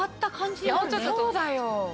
そうだよ。